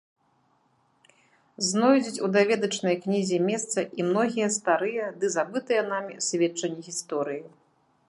Знойдуць у даведачнай кнізе месца і многія старыя ды забытыя намі сведчанні гісторыі.